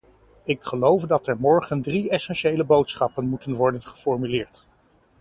Ik geloof dat er morgen drie essentiële boodschappen moeten worden geformuleerd.